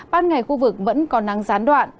ban ngày khu vực vẫn còn nắng gián đoạn